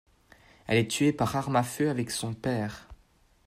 Elle est tuée par arme à feu avec son père.